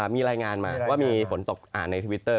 มีรายงานมาว่ามีฝนตกอ่านในทวิตเตอร์